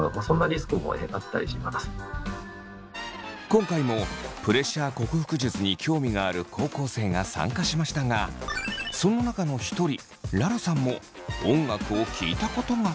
今回もプレッシャー克服術に興味がある高校生が参加しましたがその中の一人ららさんも音楽を聴いたことが。